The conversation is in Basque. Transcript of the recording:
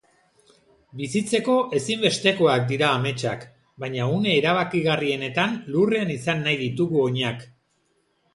Bizitzeko ezinbestekoak dira ametsak, baina une erabakigarrienetan lurrean izan nahi ditugu oinak.